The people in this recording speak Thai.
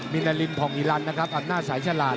มินาลิมพ่อมิรันด์นะครับอับหน้าสายฉลาด